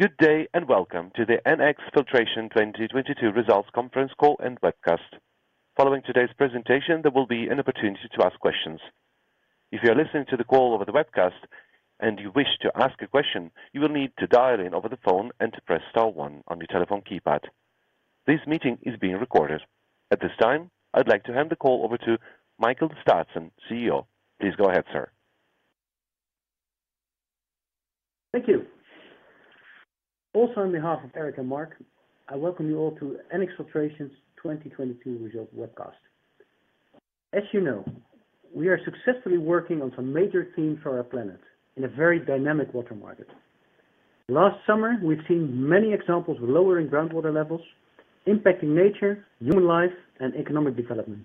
Good day and welcome to the NX Filtration 2022 results conference call and webcast. Following today's presentation, there will be an opportunity to ask questions. If you are listening to the call over the webcast and you wish to ask a question, you will need to dial in over the phone and to press star one on your telephone keypad. This meeting is being recorded. At this time, I'd like to hand the call over to Michiel Staatsen, CEO. Please go ahead, sir. Thank you. Also on behalf of Eric and Marc, I welcome you all to NX Filtration's 2022 results webcast. As you know, we are successfully working on some major themes for our planet in a very dynamic water market. Last summer, we've seen many examples of lowering groundwater levels impacting nature, human life, and economic development.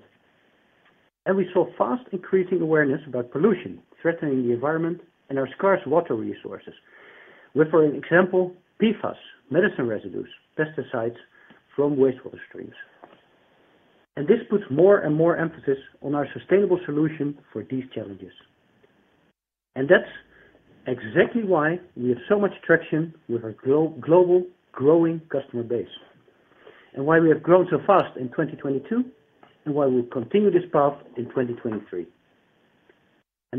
We saw fast increasing awareness about pollution threatening the environment and our scarce water resources with, for an example, PFAS, medicine residues, pesticides from wastewater streams. This puts more and more emphasis on our sustainable solution for these challenges. That's exactly why we have so much traction with our global growing customer base, and why we have grown so fast in 2022, and why we'll continue this path in 2023.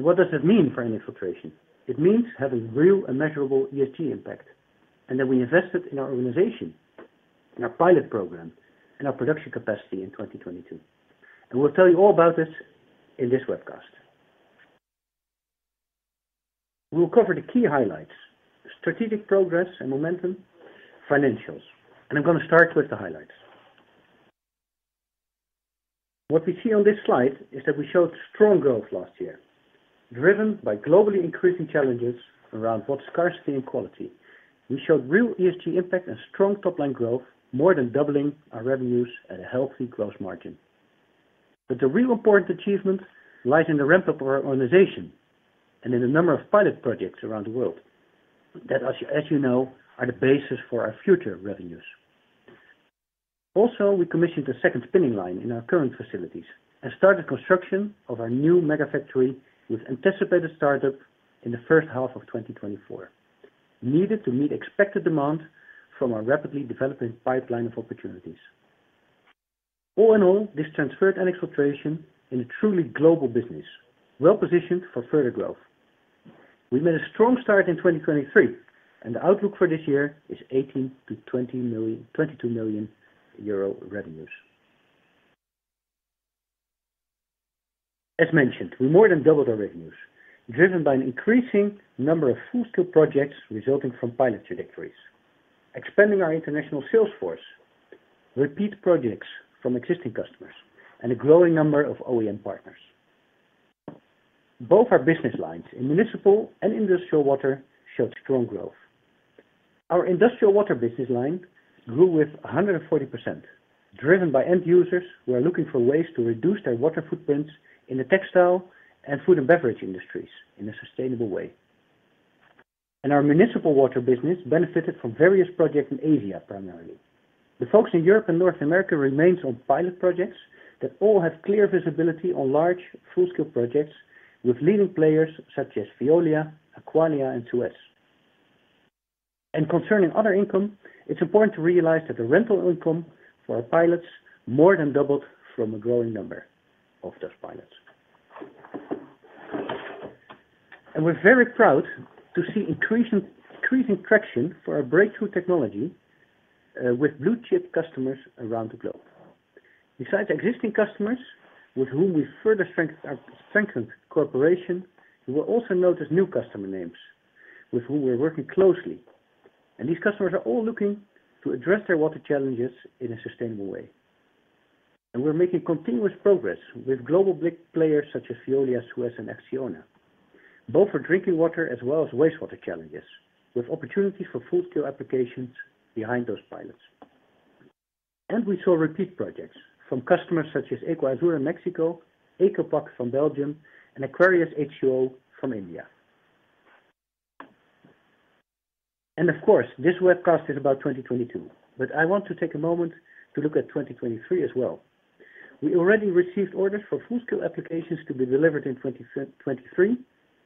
What does it mean for NX Filtration? It means having real and measurable ESG impact, and that we invested in our organization, in our pilot program, in our production capacity in 2022. We'll tell you all about this in this webcast. We'll cover the key highlights, strategic progress and momentum, financials. I'm gonna start with the highlights. What we see on this slide is that we showed strong growth last year, driven by globally increasing challenges around water scarcity and quality. We showed real ESG impact and strong top-line growth, more than doubling our revenues at a healthy growth margin. The real important achievement lies in the ramp-up of our organization and in the number of pilot projects around the world that, as you know, are the basis for our future revenues. We commissioned a second spinning line in our current facilities and started construction of our new mega factory with anticipated startup in the first half of 2024, needed to meet expected demand from our rapidly developing pipeline of opportunities. All in all, this transferred NX Filtration in a truly global business, well-positioned for further growth. We made a strong start in 2023, and the outlook for this year is 18 million-20 million, 22 million euro revenues. As mentioned, we more than doubled our revenues, driven by an increasing number of full-scale projects resulting from pilot trajectories, expanding our international sales force, repeat projects from existing customers, and a growing number of OEM partners. Both our business lines in municipal and industrial water showed strong growth. Our industrial water business line grew with 140%, driven by end users who are looking for ways to reduce their water footprints in the textile and food and beverage industries in a sustainable way. Our municipal water business benefited from various projects in Asia, primarily. The focus in Europe and North America remains on pilot projects that all have clear visibility on large, full-scale projects with leading players such as Veolia, Aqualia, and SUEZ. Concerning other income, it's important to realize that the rental income for our pilots more than doubled from a growing number of those pilots. We're very proud to see increasing traction for our breakthrough technology with blue chip customers around the globe. Besides existing customers, with whom we further strengthened cooperation, you will also notice new customer names with whom we are working closely. These customers are all looking to address their water challenges in a sustainable way. We're making continuous progress with global big players such as Veolia, SUEZ, and Acciona, both for drinking water as well as wastewater challenges, with opportunities for full scale applications behind those pilots. We saw repeat projects from customers such as Agua de México, Aquapax from Belgium, and Aquarius H2O from India. Of course, this webcast is about 2022, but I want to take a moment to look at 2023 as well. We already received orders for full scale applications to be delivered in 2023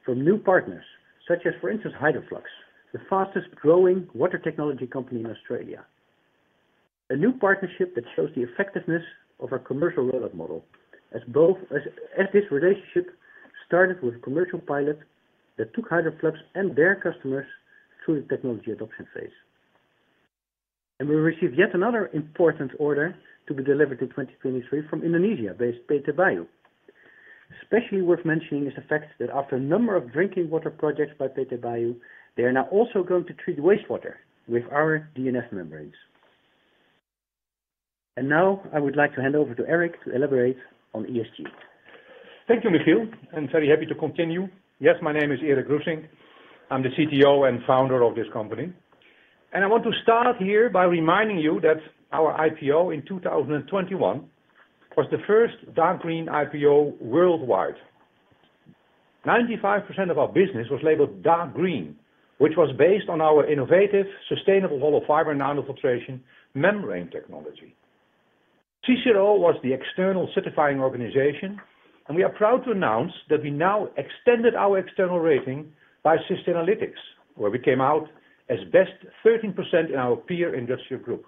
from new partners, such as, for instance, Hydroflux, the fastest-growing water technology company in Australia. A new partnership that shows the effectiveness of our commercial rollout model, as both... As this relationship started with commercial pilot that took Hydroflux and their customers through the technology adoption phase. We received yet another important order to be delivered in 2023 from Indonesia-based PT. Bayu. Especially worth mentioning is the fact that after a number of drinking water projects by PT. Bayu, they are now also going to treat wastewater with our DNF membranes. Now I would like to hand over to Erik to elaborate on ESG. Thank you, Michiel. I'm very happy to continue. Yes, my name is Erik Roesink. I'm the CTO and founder of this company. I want to start here by reminding you that our IPO in 2021 was the first Dark Green IPO worldwide. 95% of our business was labeled Dark Green, which was based on our innovative, sustainable hollow fiber nanofiltration membrane technology. C0 was the external certifying organization. We are proud to announce that we now extended our external rating by Sustainalytics, where we came out as best 13% in our peer industrial group.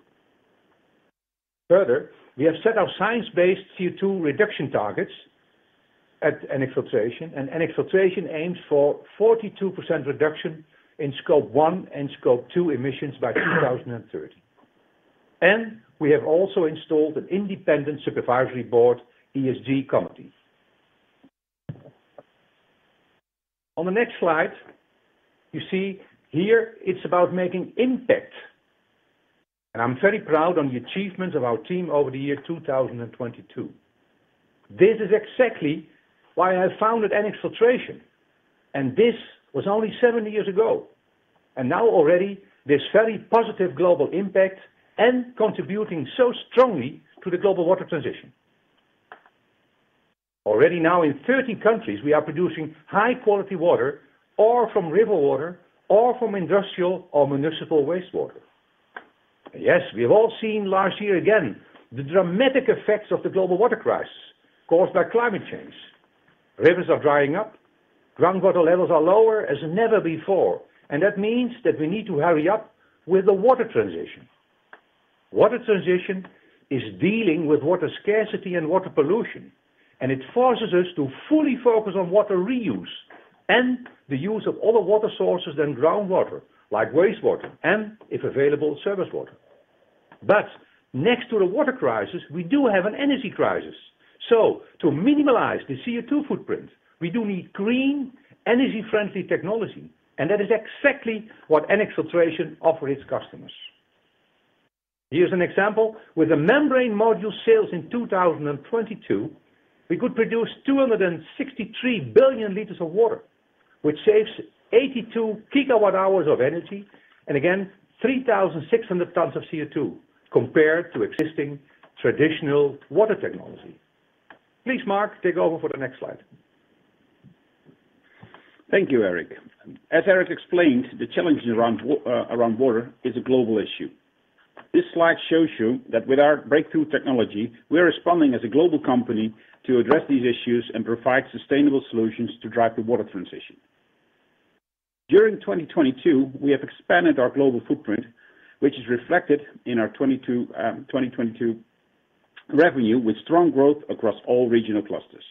Further, we have set our science-based CO₂ reduction targets at NX Filtration. NX Filtration aims for 42% reduction in Scope 1 and Scope 2 emissions by 2030. We have also installed an independent supervisory board, ESG committee. On the next slide, you see here it's about making impact, and I'm very proud on the achievements of our team over the year 2022. This is exactly why I founded NX Filtration, and this was only 7 years ago. Now already, this very positive global impact and contributing so strongly to the global water transition. Already now in 30 countries, we are producing high-quality water all from river water, all from industrial or municipal wastewater. We have all seen last year again, the dramatic effects of the global water crisis caused by climate change. Rivers are drying up, groundwater levels are lower as never before, That means that we need to hurry up with the water transition. Water transition is dealing with water scarcity and water pollution, It forces us to fully focus on water reuse and the use of other water sources than groundwater, like wastewater and, if available, surface water. Next to the water crisis, we do have an energy crisis. To minimize the CO₂ footprint, we do need green, energy-friendly technology. That is exactly what NX Filtration offer its customers. Here's an example. With the membrane module sales in 2022, we could produce 263 billion liters of water, which saves 82 GWh of energy, again, 3,600 tons of CO₂, compared to existing traditional water technology. Please, Marc, take over for the next slide. Thank you, Erik. As Erik explained, the challenges around water is a global issue. This slide shows you that with our breakthrough technology, we are responding as a global company to address these issues and provide sustainable solutions to drive the water transition. During 2022, we have expanded our global footprint, which is reflected in our 2022 revenue with strong growth across all regional clusters.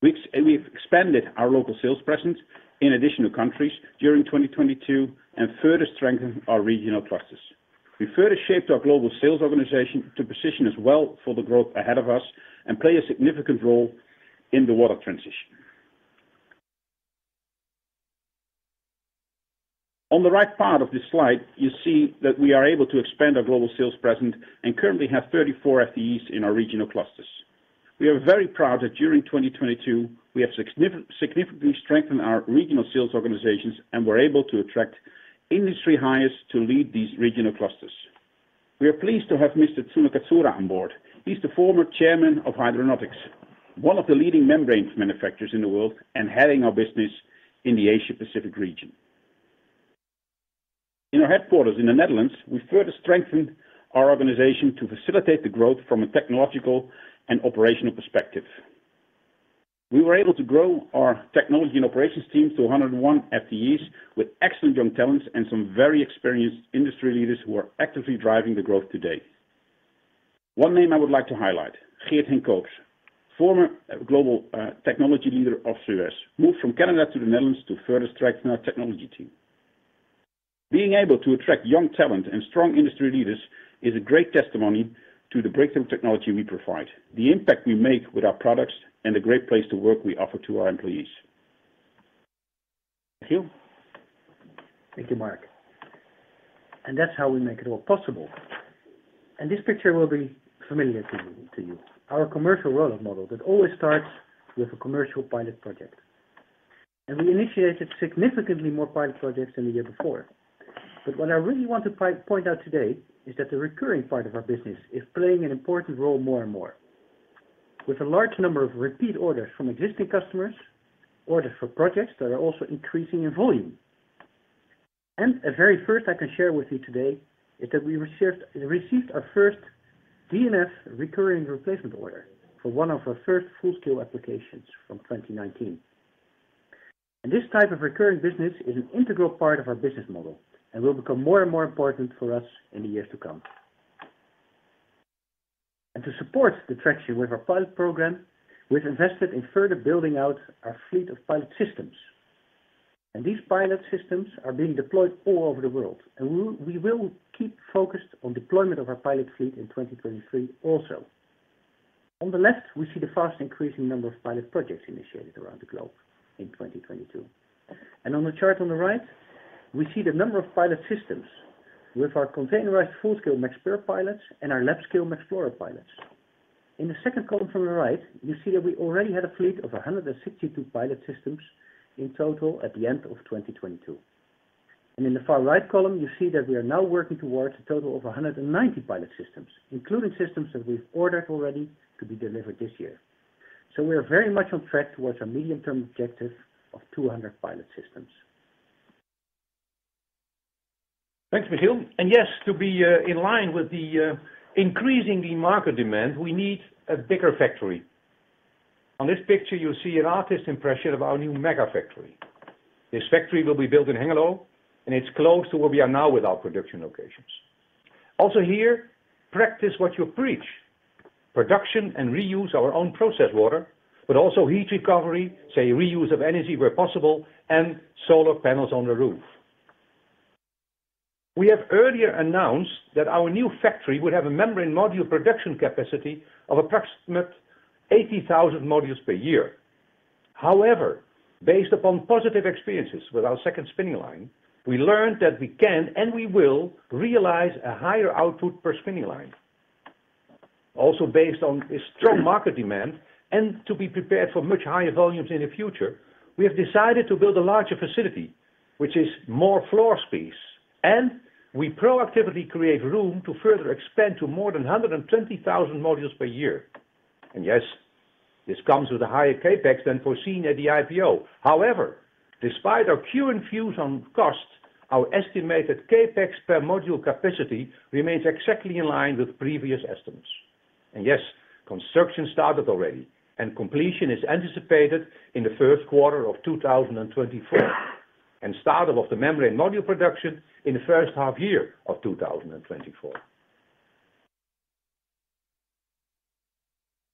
We've expanded our local sales presence in additional countries during 2022 and further strengthened our regional clusters. We further shaped our global sales organization to position as well for the growth ahead of us and play a significant role in the water transition. On the right part of this slide, you see that we are able to expand our global sales presence and currently have 34 FTEs in our regional clusters. We are very proud that during 2022, we have significantly strengthened our regional sales organizations and were able to attract industry hires to lead these regional clusters. We are pleased to have Mr. Tsunenobu Katsura on board. He's the former chairman of Hydranautics, one of the leading membrane manufacturers in the world, and heading our business in the Asia Pacific region. In our headquarters in the Netherlands, we further strengthened our organization to facilitate the growth from a technological and operational perspective. We were able to grow our technology and operations team to 101 FTEs with excellent young talents and some very experienced industry leaders who are actively driving the growth today. One name I would like to highlight, Geert-Henk Koops, former global technology leader of 3M, moved from Canada to the Netherlands to further strengthen our technology team. Being able to attract young talent and strong industry leaders is a great testimony to the breakthrough technology we provide, the impact we make with our products, and the great place to work we offer to our employees. Thank you. Thank you, Marc. That's how we make it all possible. This picture will be familiar to you. Our commercial rollout model that always starts with a commercial pilot project. We initiated significantly more pilot projects than the year before. What I really want to point out today is that the recurring part of our business is playing an important role more and more. With a large number of repeat orders from existing customers, orders for projects that are also increasing in volume. A very first I can share with you today is that we received our first DNF recurring replacement order for one of our first full-scale applications from 2019. This type of recurring business is an integral part of our business model and will become more and more important for us in the years to come. To support the traction with our pilot program, we've invested in further building out our fleet of pilot systems. These pilot systems are being deployed all over the world. We will keep focused on deployment of our pilot fleet in 2023 also. On the left, we see the fast increasing number of pilot projects initiated around the globe in 2022. On the chart on the right, we see the number of pilot systems with our containerized full-scale Mexpert pilots and our lab scale Mexperience pilots. In the second column from the right, you see that we already had a fleet of 162 pilot systems in total at the end of 2022. In the far right column, you see that we are now working towards a total of 190 pilot systems, including systems that we've ordered already to be delivered this year. We are very much on track towards our medium-term objective of 200 pilot systems. Thanks, Michiel. Yes, to be in line with the increasing market demand, we need a bigger factory. On this picture, you'll see an artist's impression of our new mega factory. This factory will be built in Hengelo, and it's close to where we are now with our production locations. Also here, practice what you preach. Production and reuse our own process water, but also heat recovery, say, reuse of energy where possible, and solar panels on the roof. We have earlier announced that our new factory would have a membrane module production capacity of approximate 80,000 modules per year. However, based upon positive experiences with our second spinning line, we learned that we can, and we will realize a higher output per spinning line. Also, based on this strong market demand and to be prepared for much higher volumes in the future, we have decided to build a larger facility, which is more floor space. We proactively create room to further expand to more than 120,000 modules per year. Yes, this comes with a higher CapEx than foreseen at the IPO. However, despite our Q and fuse on cost, our estimated CapEx per module capacity remains exactly in line with previous estimates. Yes, construction started already, and completion is anticipated in the first quarter of 2024, and start of the membrane module production in the first half year of 2024.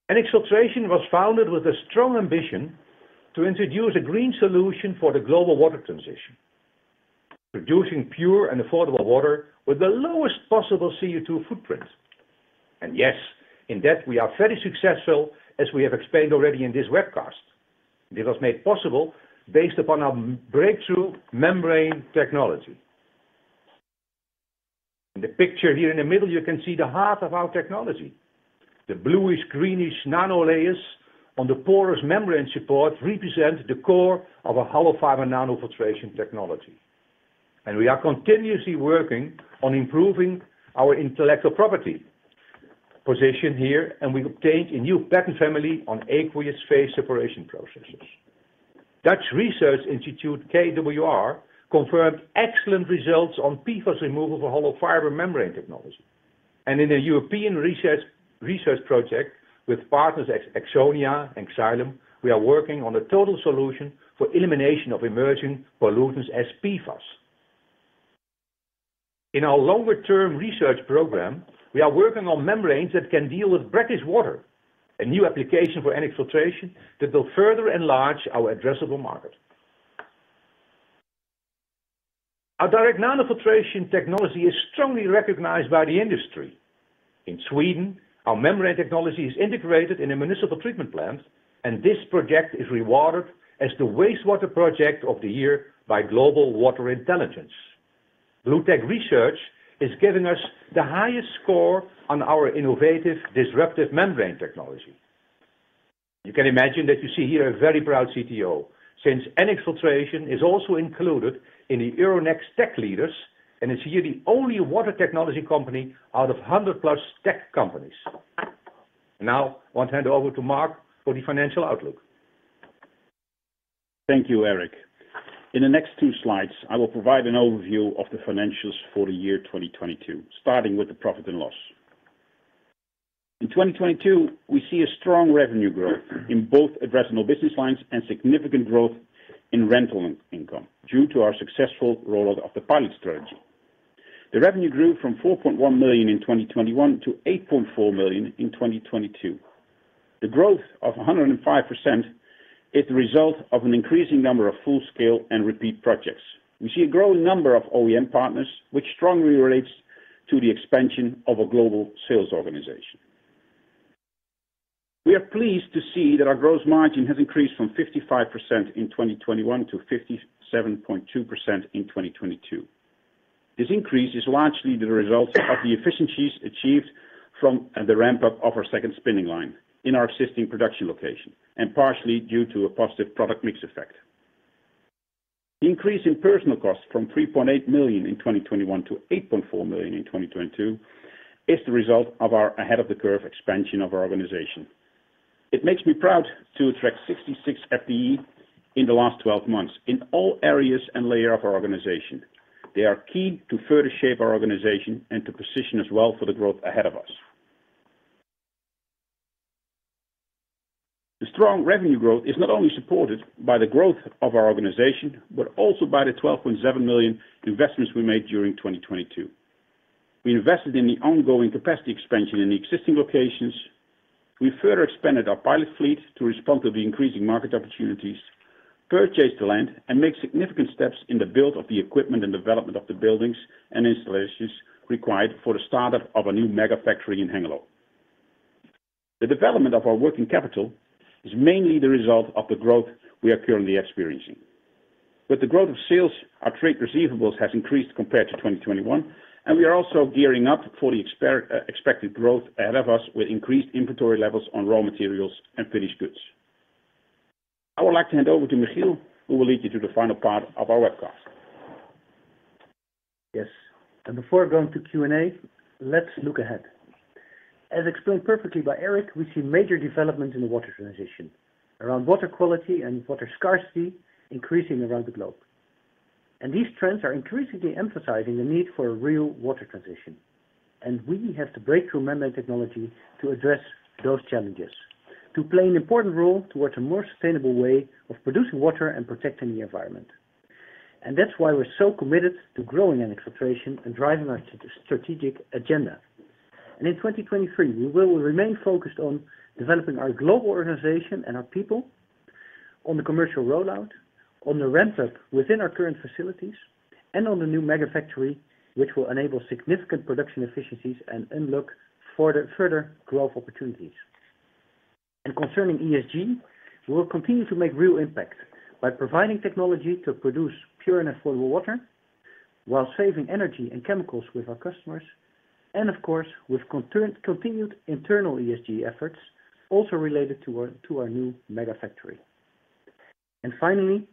NX Filtration was founded with a strong ambition to introduce a green solution for the global water transition, producing pure and affordable water with the lowest possible CO₂ footprint. Yes, in that, we are very successful, as we have explained already in this webcast. This was made possible based upon our breakthrough membrane technology. In the picture here in the middle, you can see the heart of our technology. The bluish, greenish nano layers on the porous membrane support represent the core of a hollow fiber nanofiltration technology. We are continuously working on improving our intellectual property position here, and we've obtained a new patent family on aqueous phase separation processes. Dutch research institute KWR confirmed excellent results on PFAS removal of a hollow fiber membrane technology. In a European research project with partners Eurecat and Xylem, we are working on a total solution for elimination of emerging pollutants as PFAS. In our longer-term research program, we are working on membranes that can deal with brackish water, a new application for NX Filtration that will further enlarge our addressable market. Our direct nanofiltration technology is strongly recognized by the industry. In Sweden, our membrane technology is integrated in a municipal treatment plant, and this project is rewarded as the wastewater project of the year by Global Water Intelligence. BlueTech Research is giving us the highest score on our innovative, disruptive membrane technology. You can imagine that you see here a very proud CTO, since NX Filtration is also included in the Euronext Tech Leaders and is here the only water technology company out of 100 plus tech companies. I'll hand over to Marc for the financial outlook. Thank you, Erik. In the next two slides, I will provide an overview of the financials for the year 2022, starting with the profit and loss. In 2022, we see a strong revenue growth in both addressable business lines and significant growth in rental in-income due to our successful rollout of the pilot strategy. The revenue grew from 4.1 million in 2021 to 8.4 million in 2022. The growth of 105% is the result of an increasing number of full-scale and repeat projects. We see a growing number of OEM partners, which strongly relates to the expansion of a global sales organization. We are pleased to see that our gross margin has increased from 55% in 2021 to 57.2% in 2022. This increase is largely the result of the efficiencies achieved from the ramp-up of our second spinning line in our existing production location and partially due to a positive product mix effect. Increase in personnel costs from 3.8 million in 2021 to 8.4 million in 2022 is the result of our ahead of the curve expansion of our organization. It makes me proud to attract 66 FPE in the last 12 months in all areas and layers of our organization. They are key to further shape our organization and to position as well for the growth ahead of us. The strong revenue growth is not only supported by the growth of our organization, but also by the 12.7 million investments we made during 2022. We invested in the ongoing capacity expansion in the existing locations. We further expanded our pilot fleet to respond to the increasing market opportunities, purchased the land, and make significant steps in the build of the equipment and development of the buildings and installations required for the startup of a new mega factory in Hengelo. The development of our working capital is mainly the result of the growth we are currently experiencing. With the growth of sales, our trade receivables has increased compared to 2021, and we are also gearing up for the expected growth ahead of us with increased inventory levels on raw materials and finished goods. I would like to hand over to Michiel, who will lead you to the final part of our webcast. Yes. Before going to Q&A, let's look ahead. As explained perfectly by Erik, we see major developments in the water transition around water quality and water scarcity increasing around the globe. These trends are increasingly emphasizing the need for a real water transition. We have the breakthrough membrane technology to address those challenges, to play an important role towards a more sustainable way of producing water and protecting the environment. That's why we're so committed to growing NX Filtration and driving our strategic agenda. In 2023, we will remain focused on developing our global organization and our people on the commercial rollout, on the ramp-up within our current facilities, and on the new mega factory, which will enable significant production efficiencies and unlock further growth opportunities. Concerning ESG, we will continue to make real impact by providing technology to produce pure and affordable water while saving energy and chemicals with our customers, and of course, with continued internal ESG efforts also related to our new mega factory. Finally,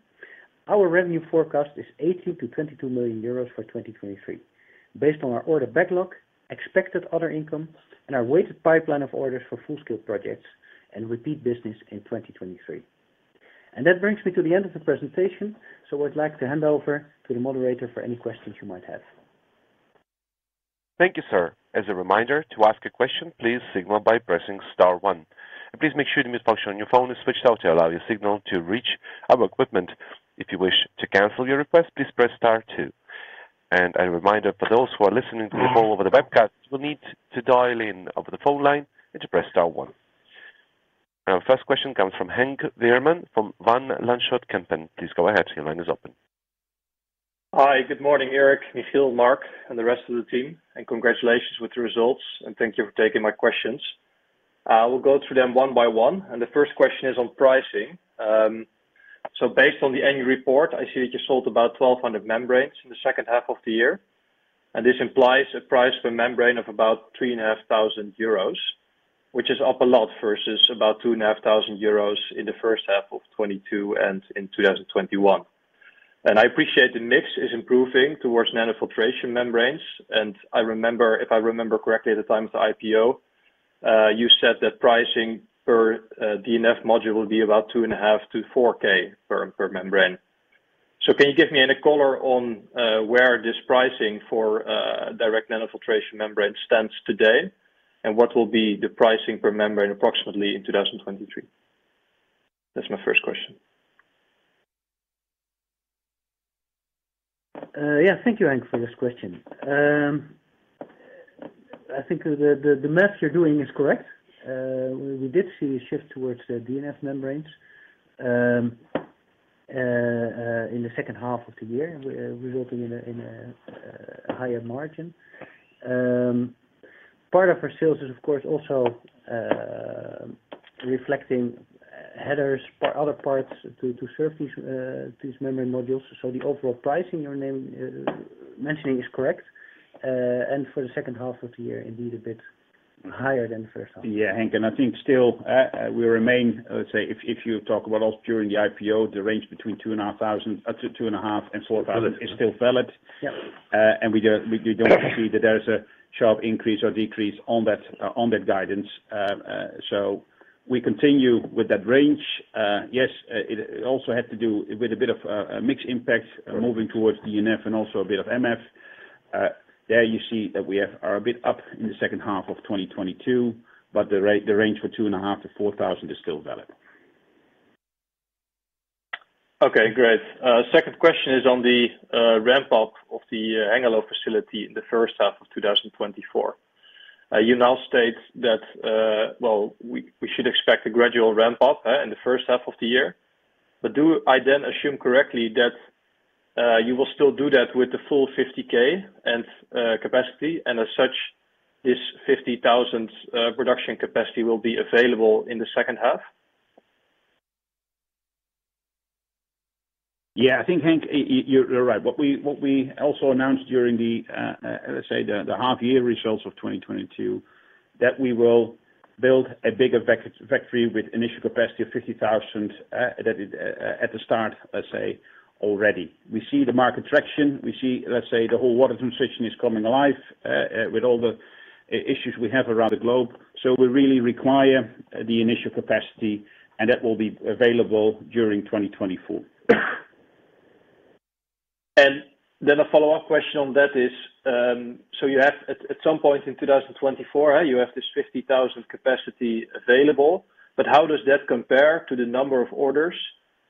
our revenue forecast is 18 million-22 million euros for 2023 based on our order backlog, expected other income, and our weighted pipeline of orders for full-scale projects and repeat business in 2023. That brings me to the end of the presentation. I'd like to hand over to the moderator for any questions you might have. Thank you, sir. As a reminder, to ask a question, please signal by pressing star one. Please make sure the mute function on your phone is switched off to allow your signal to reach our equipment. If you wish to cancel your request, please press star two. A reminder for those who are listening to the call over the webcast, you will need to dial in over the phone line and to press star one. Our first question comes from Henk Veerman from Van Lanschot Kempen. Please go ahead, your line is open. Hi. Good morning, Erik, Michiel, Marc, and the rest of the team. Congratulations with the results. Thank you for taking my questions. We'll go through them one by one. The first question is on pricing. Based on the annual report, I see that you sold about 1,200 membranes in the second half of the year. This implies a price per membrane of about 3.5 thousand euros, which is up a lot versus about 2.5 thousand euros in the first half of 2022 and in 2021. I appreciate the mix is improving towards nanofiltration membranes. If I remember correctly at the time of the IPO, you said that pricing per DNF module would be about EUR 2.5K-4K per membrane. Can you give me any color on where this pricing for direct nanofiltration membrane stands today? What will be the pricing per membrane approximately in 2023? That's my first question. Yeah. Thank you, Henk, for this question. I think the math you're doing is correct. We did see a shift towards the DNF membranes in the second half of the year, resulting in a higher margin. Part of our sales is of course also reflecting headers, other parts to serve these membrane modules. The overall pricing you're mentioning is correct. For the second half of the year, indeed a bit higher than the first half. Yeah. Henk, I think still we remain, let's say if you talk about us during the IPO, the range between 2,500, to 2,500 and 4,000 is still valid. Yeah. We don't, we don't see that there is a sharp increase or decrease on that on that guidance. We continue with that range. Yes, it also had to do with a bit of a mix impact moving towards DNF and also a bit of MF. There you see that we are a bit up in the second half of 2022, but the range for 2,500-4,000 is still valid. Okay, great. Second question is on the ramp up of the Hengelo facility in the first half of 2024. You now state that, well, we should expect a gradual ramp up in the first half of the year. Do I then assume correctly that you will still do that with the full 50K and capacity, and as such, this 50,000 production capacity will be available in the second half? Yeah. I think, Henk, you're right. What we also announced during the let's say the half year results of 2022, that we will build a bigger factory with initial capacity of 50,000, that it at the start, let's say already. We see the market traction. We see, let's say, the whole water transition is coming alive with all the issues we have around the globe. We really require the initial capacity, and that will be available during 2024. A follow-up question on that is, you have at some point in 2024, you have this 50,000 capacity available, how does that compare to the number of orders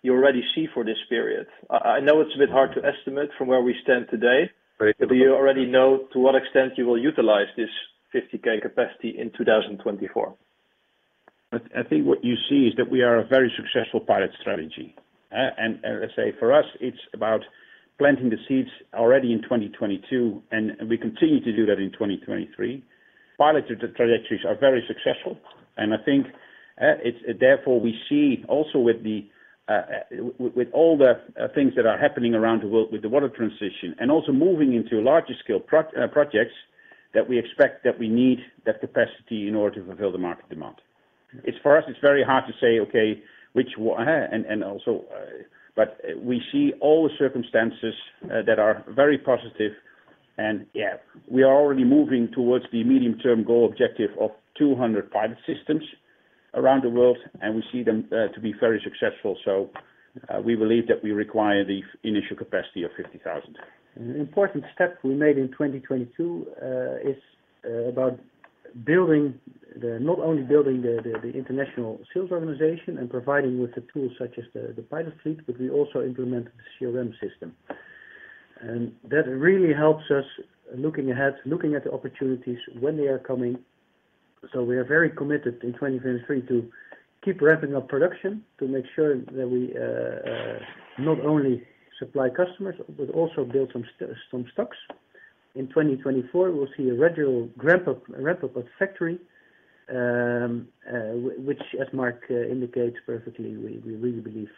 you already see for this period? I know it's a bit hard to estimate from where we stand today? Very difficult.... do you already know to what extent you will utilize this 50K capacity in 2024? I think what you see is that we are a very successful pilot strategy. I say for us, it's about planting the seeds already in 2022, and we continue to do that in 2023. Pilot trajectories are very successful, and I think, it's therefore we see also with all the things that are happening around the world with the water transition and also moving into larger scale projects that we expect that we need that capacity in order to fulfill the market demand. It's for us, it's very hard to say, okay, which one. We see all the circumstances that are very positive. Yeah, we are already moving towards the medium-term goal objective of 200 pilot systems around the world, and we see them to be very successful. We believe that we require the initial capacity of 50,000. An important step we made in 2022 is about building the not only building the international sales organization and providing with the tools such as the pilot fleet, but we also implemented the CRM system. That really helps us looking ahead, looking at the opportunities when they are coming. We are very committed in 2023 to keep ramping up production to make sure that we not only supply customers but also build some stocks. In 2024, we'll see a regular ramp up of factory which as Marc indicates perfectly, we really believe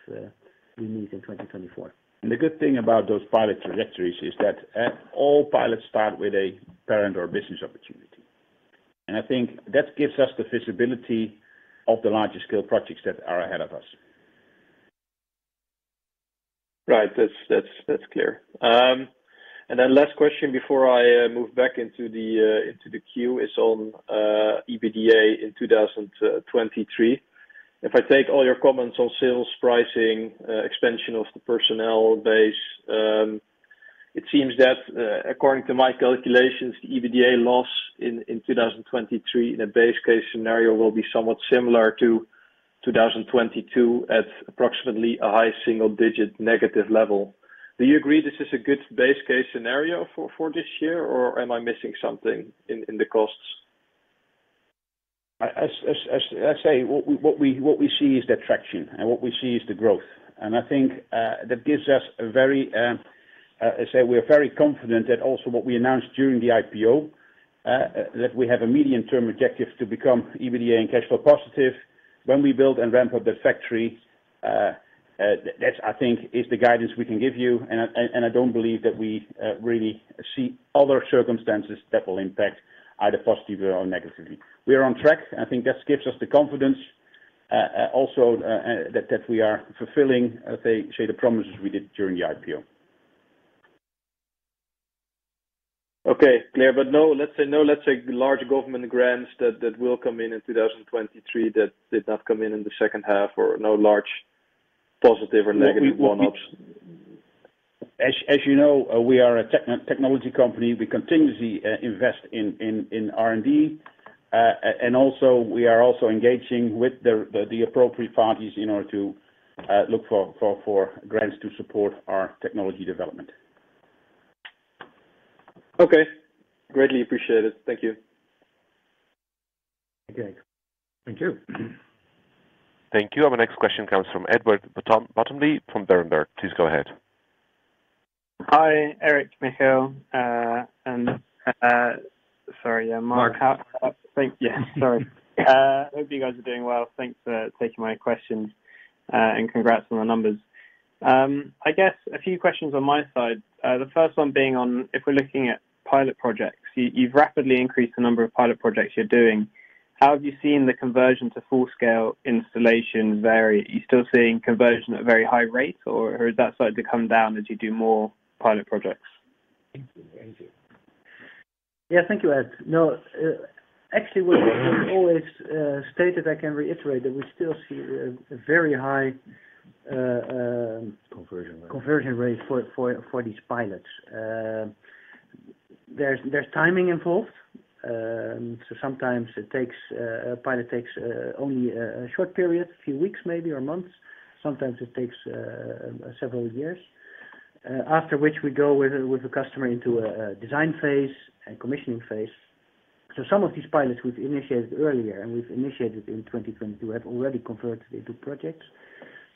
we need in 2024. The good thing about those pilot trajectories is that all pilots start with a parent or business opportunity. I think that gives us the visibility of the larger scale projects that are ahead of us. Right. That's, that's clear. Last question before I move back into the queue is on EBITDA in 2023. If I take all your comments on sales, pricing, expansion of the personnel base, it seems that according to my calculations, the EBITDA loss in 2023 in a base case scenario will be somewhat similar to 2022 at approximately a high single digit negative level. Do you agree this is a good base case scenario for this year, or am I missing something in the costs? As I say, what we see is the traction, and what we see is the growth. I think that gives us a very, I say we are very confident that also what we announced during the IPO, that we have a medium-term objective to become EBITDA and cash flow positive when we build and ramp up the factory. That, I think is the guidance we can give you. I don't believe that we really see other circumstances that will impact either positively or negatively. We are on track. I think that gives us the confidence, also that we are fulfilling, as I say, the promises we did during the IPO. Okay. Clear. No, let's say large government grants that will come in in 2023 that did not come in in the second half or no large positive or negative one-offs. You know, we are a technology company. We continuously invest in R&D. Also we are also engaging with the appropriate parties in order to look for grants to support our technology development. Okay. Greatly appreciate it. Thank you. Okay. Thank you. Thank you. Our next question comes from Edward Bottomley from Berenberg. Please go ahead. Hi, Erik, Michiel, and, sorry, Marc. Marc. Thank you. Sorry. Hope you guys are doing well. Thanks for taking my questions, and congrats on the numbers. I guess a few questions on my side. The first one being on if we're looking at pilot projects, you've rapidly increased the number of pilot projects you're doing. How have you seen the conversion to full-scale installation vary? Are you still seeing conversion at a very high rate, or has that started to come down as you do more pilot projects? Thank you. Thank you, Ed. Actually, what we have always stated, I can reiterate that we still see a very high... Conversion rate. conversion rate for these pilots. There's timing involved. Sometimes it takes a pilot takes only a short period, a few weeks, maybe, or months. Sometimes it takes several years, after which we go with the customer into a design phase and commissioning phase. Some of these pilots we've initiated earlier and we've initiated in 2022, have already converted into projects.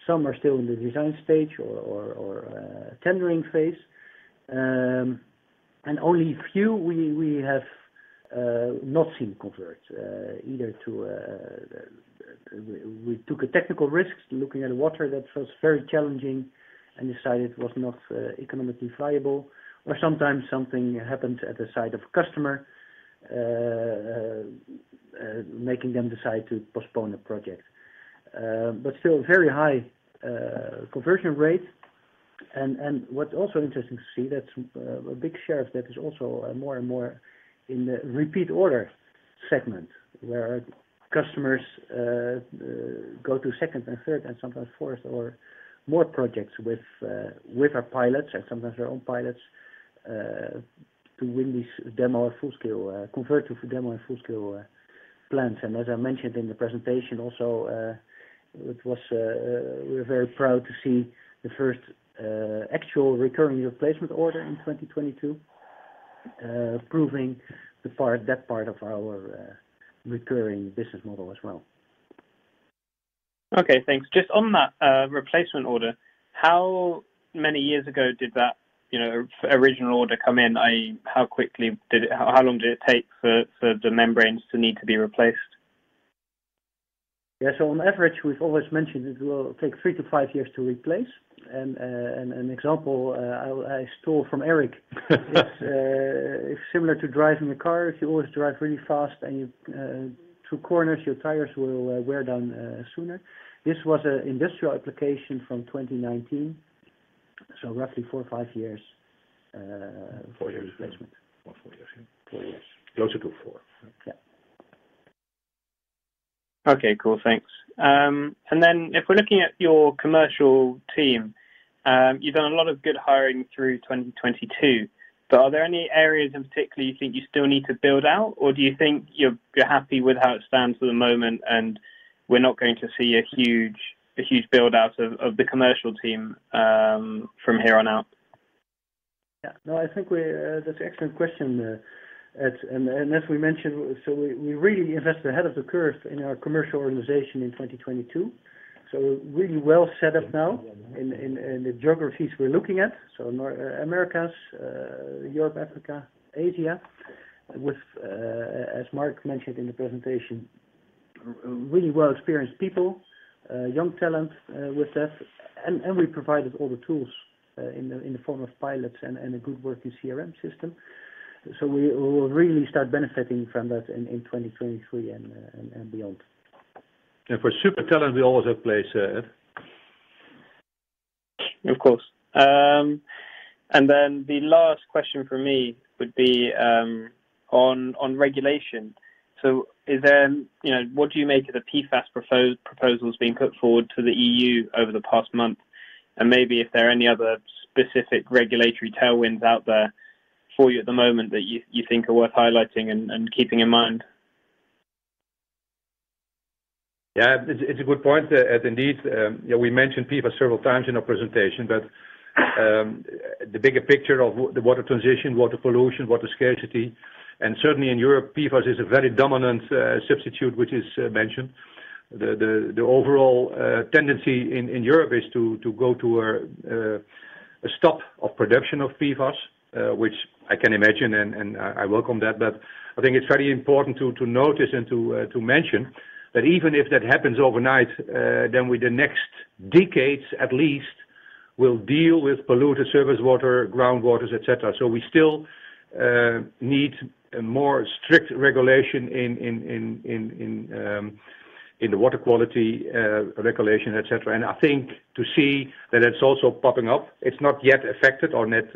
Some are still in the design stage or tendering phase. Only few we have not seen convert either to, we took a technical risk looking at water that was very challenging and decided it was not economically viable or sometimes something happens at the site of customer, making them decide to postpone the project. Still very high conversion rate. What's also interesting to see that a big share of that is also more and more in the repeat order segment, where customers go to second and third, and sometimes fourth or more projects with our pilots and sometimes their own pilots to win these demo or full scale convert to demo and full scale plans. As I mentioned in the presentation also, it was, we're very proud to see the first actual recurring replacement order in 2022, proving that part of our recurring business model as well. Okay, thanks. Just on that, replacement order, how many years ago did that, you know, original order come in? How long did it take for the membranes to need to be replaced? Yeah. On average, we've always mentioned it will take three to five years to replace. An example, I stole from Erik. It's similar to driving a car. If you always drive really fast and you two corners, your tires will wear down sooner. This was an industrial application from 2019. Roughly four or five years. 4 years replacement. About 4 years, yeah. Four years. Closer to 4. Yeah. Okay, cool. Thanks. If we're looking at your commercial team, you've done a lot of good hiring through 2022, are there any areas in particular you think you still need to build out? Do you think you're happy with how it stands for the moment and we're not going to see a huge build-out of the commercial team, from here on out? Yeah. No, I think we that's an excellent question, Ed. As we mentioned, we really invested ahead of the curve in our commercial organization in 2022, so we're really well set up now in the geographies we're looking at. Americas, Europe, Africa, Asia, with, as Marc mentioned in the presentation, really well-experienced people, young talent with us. We provided all the tools in the form of pilots and a good working CRM system. We'll really start benefiting from that in 2023 and beyond. For super talent, we also place, Ed. Of course. The last question from me would be on regulation. You know, what do you make of the PFAS proposals being put forward to the EU over the past month, and maybe if there are any other specific regulatory tailwinds out there for you at the moment that you think are worth highlighting and keeping in mind? Yeah. It's, it's a good point, Ed. Indeed, you know, we mentioned PFAS several times in our presentation, but the bigger picture of the water transition, water pollution, water scarcity, and certainly in Europe, PFAS is a very dominant substitute which is mentioned. The overall tendency in Europe is to go to a stop of production of PFAS, which I can imagine and I welcome that. I think it's very important to notice and to mention that even if that happens overnight, then the next decades at least, will deal with polluted surface water, groundwaters, et cetera. We still need a more strict regulation in the water quality regulation, et cetera. I think to see that it's also popping up, it's not yet affected or net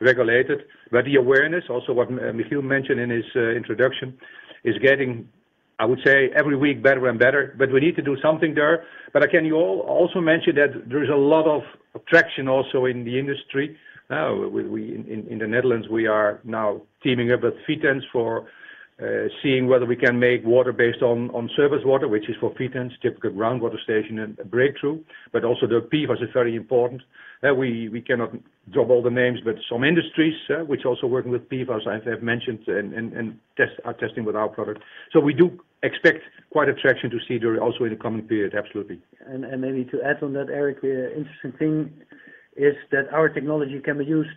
regulated. The awareness, also what Michiel mentioned in his introduction, is getting, I would say every week, better and better. We need to do something there. I can also mention that there is a lot of traction also in the industry. Now, we in the Netherlands, we are now teaming up with Vitens for seeing whether we can make water based on surface water, which is for Vitens, typical groundwater station and a breakthrough. Also the PFAS is very important. We cannot drop all the names, but some industries, which also working with PFAS, as I have mentioned and are testing with our product. We do expect quite a traction to see there also in the coming period, absolutely. Maybe to add on that, Erik, the interesting thing is that our technology can be used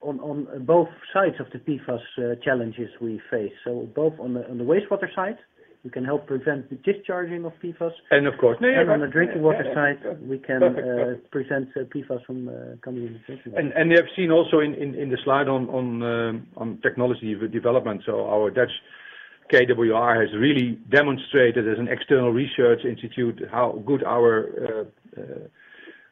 on both sides of the PFAS challenges we face. Both on the wastewater side, we can help prevent the discharging of PFAS. Of course. No, yeah. On the drinking water side. Perfect. ...prevent PFAS from coming in the drinking water. We have seen also in the slide on technology with development. Our Dutch KWR has really demonstrated as an external research institute how good our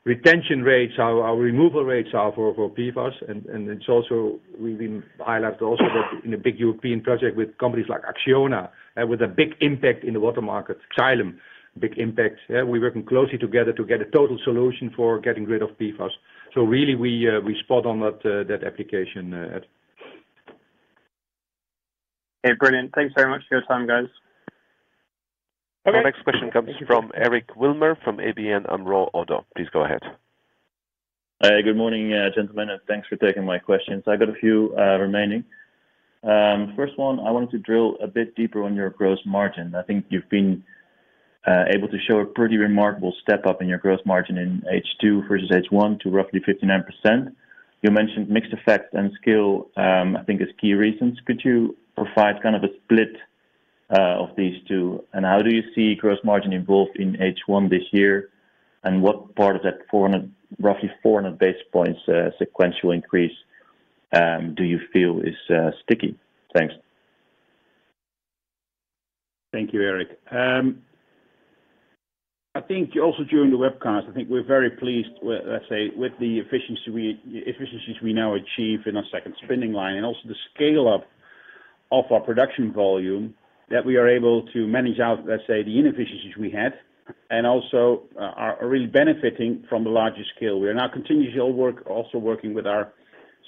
retention rates are, our removal rates are for PFAS. It's also we've been highlighted also that in a big European project with companies like Acciona, with a big impact in the water market. Xylem, big impact. We're working closely together to get a total solution for getting rid of PFAS. Really we spot on that application. Hey, brilliant. Thanks very much for your time, guys. Okay. Thank you. Our next question comes from Eric Wilmer, from ABN AMRO ODDO, please go ahead. Good morning, gentlemen, and thanks for taking my questions. I got a few remaining. First one, I wanted to drill a bit deeper on your gross margin. I think you've been able to show a pretty remarkable step-up in your gross margin in H2 versus H1 to roughly 59%. You mentioned mixed effects and scale, I think as key reasons. Could you provide kind of a split of these two? How do you see gross margin evolve in H1 this year? What part of that 400, roughly 400 basis points sequential increase, do you feel is sticky? Thanks. Thank you, Erik. I think also during the webcast, I think we're very pleased with the efficiency we now achieve in our second spending line, and also the scale up of our production volume, that we are able to manage out the inefficiencies we had. We are really benefiting from the larger scale. We are now continuously at work, also working with our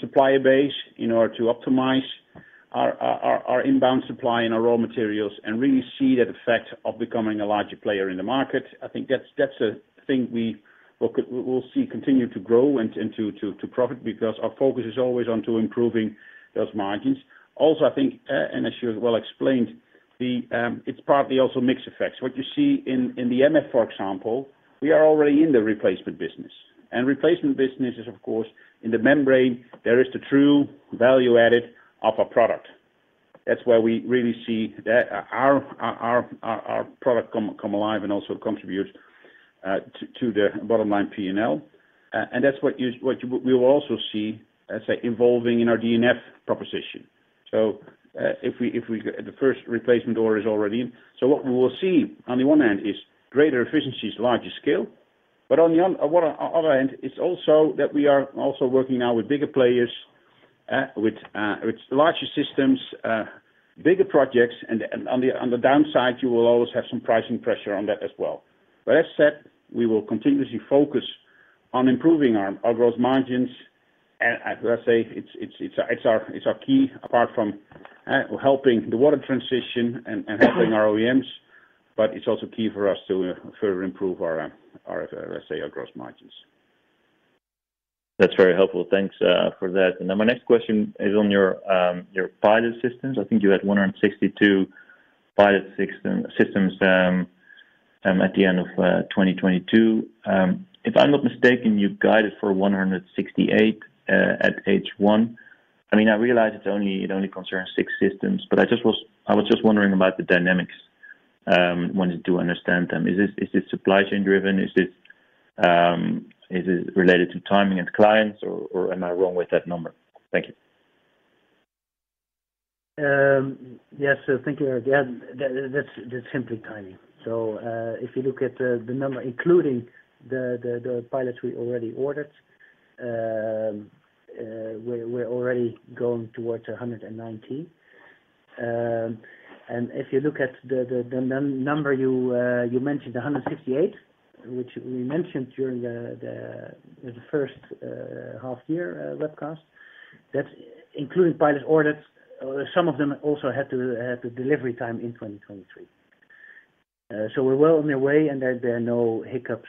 supplier base in order to optimize our inbound supply and our raw materials and really see that effect of becoming a larger player in the market. I think that's a thing we'll see continue to grow and to profit because our focus is always on to improving those margins. I think, and as you well explained, it's partly also mix effects. What you see in the MF for example, we are already in the replacement business. Replacement business is, of course, in the membrane, there is the true value added of a product. That's where we really see our product come alive and also contribute to the bottom line P&L. That's what we will also see, let's say, evolving in our DNF proposition. The first replacement order is already in. What we will see on the one hand is greater efficiencies, larger scale, but on the other hand, it's also that we are also working now with bigger players, with larger systems, bigger projects. On the downside, you will always have some pricing pressure on that as well. That said, we will continuously focus on improving our gross margins. As I say, it's our key apart from helping the water transition and helping our OEMs, it's also key for us to further improve our, as I say, our gross margins. That's very helpful. Thanks for that. My next question is on your pilot systems. I think you had 162 pilot systems at the end of 2022. If I'm not mistaken, you guided for 168 at H1. I mean, I realize it's only, it only concerns six systems, but I was just wondering about the dynamics, wanted to understand them. Is this, is this supply chain driven? Is this related to timing and clients, or am I wrong with that number? Thank you. Yes. Thank you again. That's, that's simply timing. If you look at the number including the pilots we already ordered, we're already going towards 119. And if you look at the number you mentioned, 168, which we mentioned during the first half year webcast, that's including pilots orders. Some of them also had the delivery time in 2023. So we're well on their way, and there are no hiccups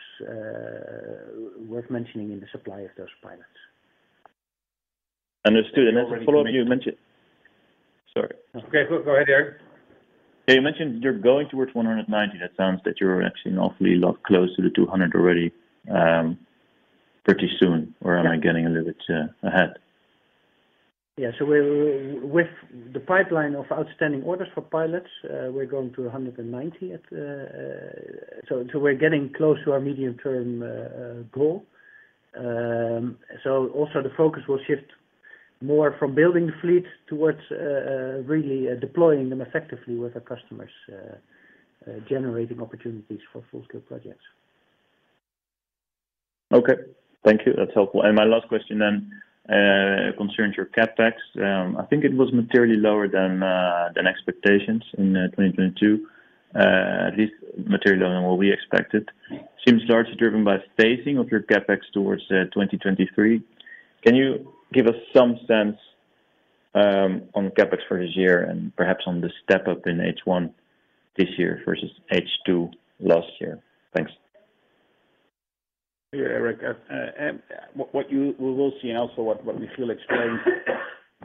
worth mentioning in the supply of those pilots. Understood. As a follow-up, you mentioned- We've already mentioned- Sorry. Okay, go ahead, Erik. You mentioned you're going towards 190. That sounds that you're actually an awfully lot close to the 200 already, pretty soon. Am I getting a little bit ahead? Yeah. With the pipeline of outstanding orders for pilots, we're going to 190 at, so we're getting close to our medium-term goal. Also the focus will shift more from building the fleet towards, really deploying them effectively with our customers, generating opportunities for full-scale projects. Okay. Thank you. That's helpful. My last question then concerns your CapEx. I think it was materially lower than expectations in 2022, at least materially lower than what we expected. Seems largely driven by spacing of your CapEx towards 2023. Can you give us some sense on CapEx for this year and perhaps on the step-up in H1 this year versus H2 last year? Thanks. Yeah, Erik. What we will see and also what we feel explained.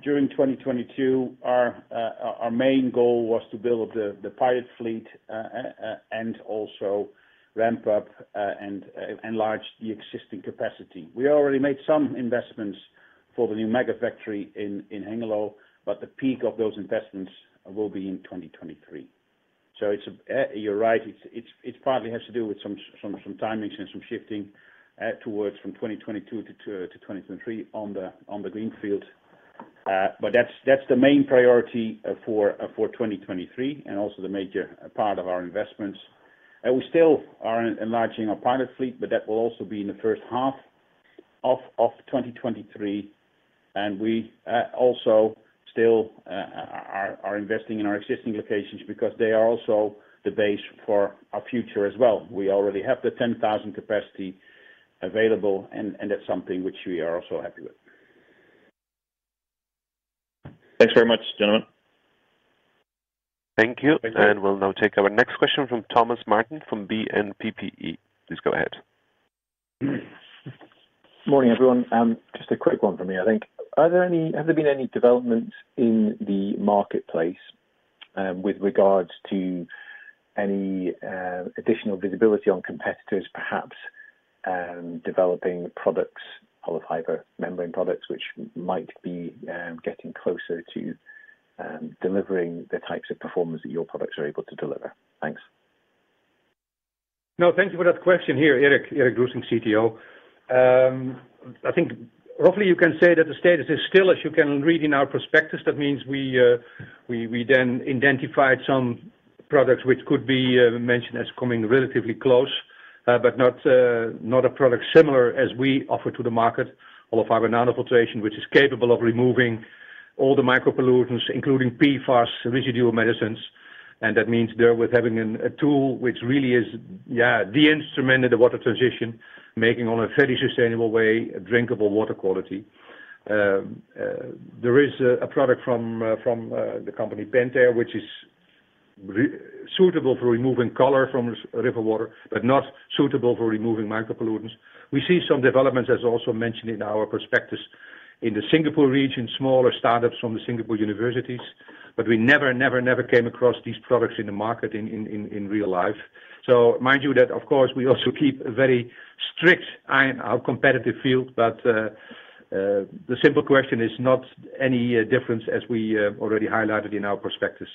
During 2022, our main goal was to build the pilot fleet and also ramp up and enlarge the existing capacity. We already made some investments for the new mega factory in Hengelo, but the peak of those investments will be in 2023. You're right, it's partly has to do with some timings and some shifting towards from 2022 to 2023 on the greenfield. That's the main priority for 2023 and also the major part of our investments. We still are enlarging our pilot fleet, but that will also be in the first half of 2023. We also still are investing in our existing locations because they are also the base for our future as well. We already have the 10,000 capacity available and that's something which we are also happy with. Thanks very much, gentlemen. Thank you. Thank you. We'll now take our next question from Thomas Martin from BNPPE. Please go ahead. Morning, everyone. Just a quick one from me, I think. Have there been any developments in the marketplace, with regards to any additional visibility on competitors, perhaps, developing products, hollow fiber membrane products, which might be getting closer to delivering the types of performance that your products are able to deliver? Thanks. No, thank you for that question. Here, Erik Roesink, CTO. I think roughly you can say that the status is still as you can read in our prospectus. We then identified some products which could be mentioned as coming relatively close, but not a product similar as we offer to the market, hollow fiber nanofiltration, which is capable of removing all the micropollutants, including PFAS residual medicines. There with having a tool which really is, yeah, the instrument of the water transition, making on a very sustainable way drinkable water quality. There is a product from the company Pentair, which is suitable for removing color from river water, but not suitable for removing micropollutants. We see some developments as also mentioned in our prospectus in the Singapore region, smaller startups from the Singapore universities, but we never came across these products in the market in real life. Mind you that of course, we also keep a very strict eye on our competitive field. The simple question is not any difference as we already highlighted in our prospectus,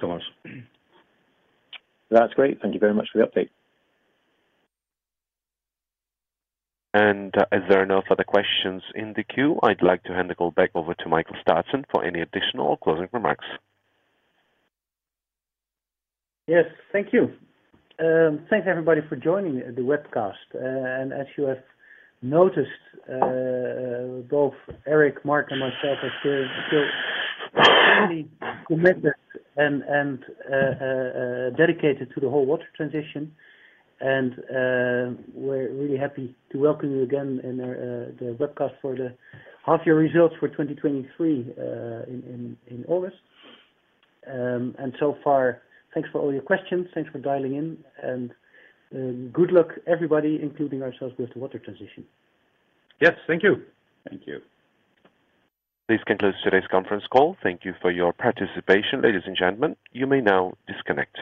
Thomas. That's great. Thank you very much for the update. As there are no further questions in the queue, I'd like to hand the call back over to Michiel Staatsen for any additional or closing remarks. Yes, thank you. Thanks everybody for joining the webcast. As you have noticed, both Erik, Marc, and myself are still committed and dedicated to the whole water transition. We're really happy to welcome you again in our the webcast for the half year results for 2023, in August. So far, thanks for all your questions. Thanks for dialing in, and good luck everybody, including ourselves with the water transition. Yes, thank you. Thank you. This concludes today's conference call. Thank you for your participation. Ladies and gentlemen, you may now disconnect.